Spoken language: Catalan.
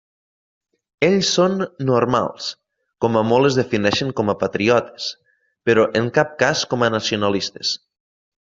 Ells són «normals», com a molt es defineixen com a patriotes, però en cap cas com a nacionalistes.